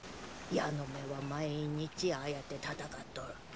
ヤノメは毎日ああやって戦っとる。